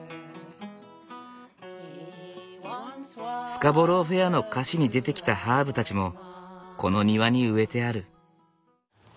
「スカボロー・フェア」の歌詞に出てきたハーブたちもこの庭に植えてある。